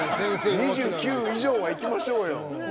２９以上はいきましょうよ。